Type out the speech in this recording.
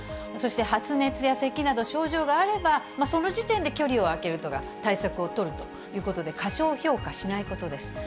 そして発熱やせきなど症状があれば、その時点で距離を空けるとか、対策を取るということで、過小評価しないことです。